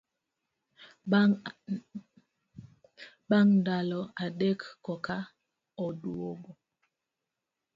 Bang ndalo adek koka oduogo.